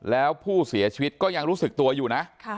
แล้วผู้เสียชีวิตก็ยังรู้สึกตัวอยู่นะ